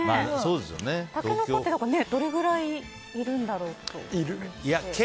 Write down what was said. タケノコってどれくらいいるんだろう。